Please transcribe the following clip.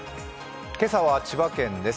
今朝は千葉県です。